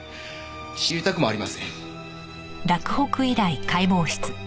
知りたくもありません。